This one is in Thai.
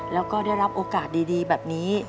แล้วก็ได้รับโอกาสดีแบบนี้